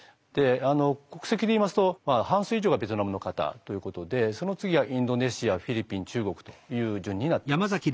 国籍で言いますと半数以上がベトナムの方ということでその次はインドネシアフィリピン中国という順になっています。